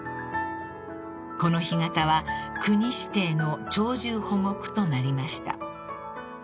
［この干潟は国指定の鳥獣保護区となりました］